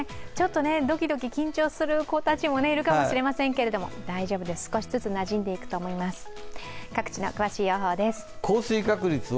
ちょっとドキドキ緊張する子たちもいるかもしれませんが、大丈夫です少しずつなじんでいくと思います。